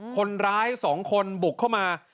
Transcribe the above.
คนร้าย๒คนบุกเข้ามา